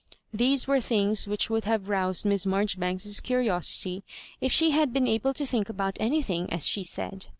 These were things which would have roused Miss Marjoribanks's curiosity if she had been able to tliink about anything, as she said.